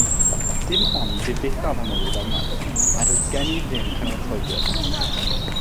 Dim ond difetha fy mywyd a wnaeth a doedd gen i ddim cynorthwywyr.